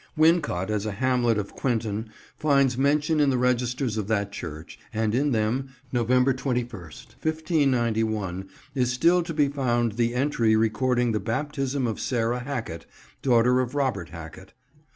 Wincot as a hamlet of Quinton finds mention in the registers of that church, and in them, November 21st, 1591, is still to be found the entry recording the baptism of Sara Hacket, daughter of Robert Hacket.